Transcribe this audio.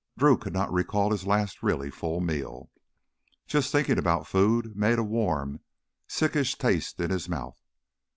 Drew could not recall his last really full meal. Just thinking about food made a warm, sickish taste rise in his mouth.